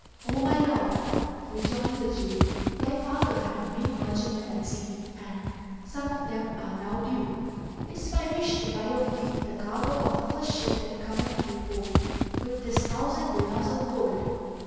"O my lord," rejoined the Jew, [FN#398] "thy father had many merchantmen at sea and, as some of them are now due, it is my wish to buy of thee the cargo of the first ship that cometh into port with this thousand dinars of gold."